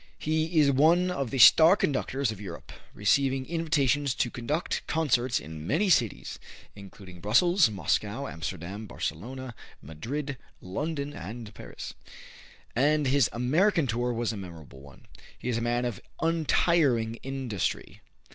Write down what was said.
He is one of the "star" conductors of Europe, receiving invitations to conduct concerts in many cities, including Brussels, Moscow, Amsterdam, Barcelona, Madrid, London and Paris; and his American tour was a memorable one. He is a man of untiring industry.